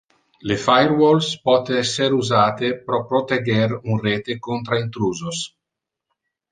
Le firewalles pote esser usate pro proteger un rete contra intrusos.